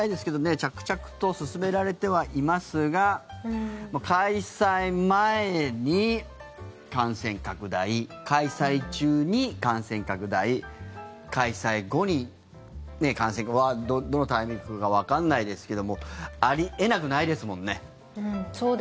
着々と進められてはいますが開催前に感染拡大開催中に感染拡大開催後に感染がどのタイミングかわかんないですけどもあり得なくないですもんね。